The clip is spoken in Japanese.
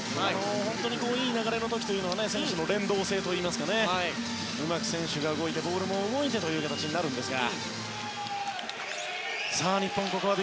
本当にいい流れの時は選手の連動性といいますかうまく選手が動いてボールも動いてという形になりますが。